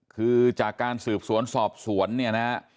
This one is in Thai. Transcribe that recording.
คือจากการสืบสวนสอบสวนเนี่ยนะฮะ